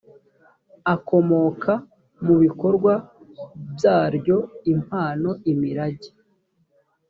akomoka mu bikorwa byaryo impano imirage